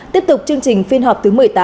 tiếp tục chương trình phiên họp thứ một mươi tám